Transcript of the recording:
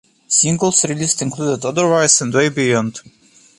Singles released included "Otherwise" and "Way Beyond".